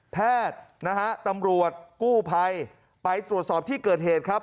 แพทย์นะฮะตำรวจกู้ภัยไปตรวจสอบที่เกิดเหตุครับ